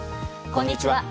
こんにちは。